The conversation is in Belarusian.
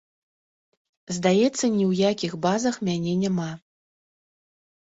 Здаецца, ні ў якіх базах мяне няма.